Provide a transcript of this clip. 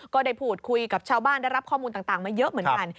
ก็ได้พูดคุยกับชาวบ้านได้รับข้อมูลต่างมาเยอะเหมือนกัน